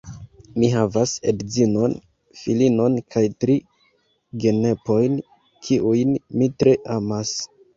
Mi havas edzinon, filinon kaj tri genepojn, kiujn mi tre amas.